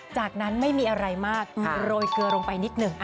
จากนั้นไม่มีอะไรมากโรยเกลือลงไปนิดหนึ่ง